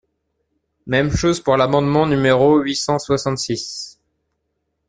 Même chose pour l’amendement numéro huit cent soixante-six.